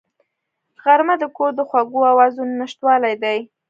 غرمه د کور د خوږو آوازونو نشتوالی دی